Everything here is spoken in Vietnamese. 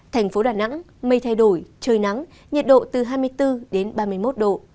thành phố đà nẵng mây thay đổi trời nắng nhiệt độ từ hai mươi bốn đến ba mươi một độ